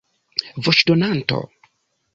voĉdonanto